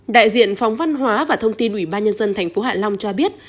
đại diện phóng văn hóa và thông tin ủy ban nhân dân thành phố hạ long cho biết